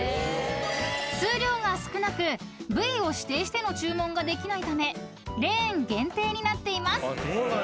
［数量が少なく部位を指定しての注文ができないためレーン限定になっています］